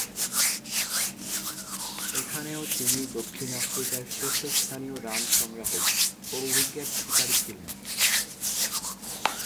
এখানেও তিনি দক্ষিণ আফ্রিকার শীর্ষস্থানীয় রান সংগ্রাহক ও উইকেট শিকারী ছিলেন।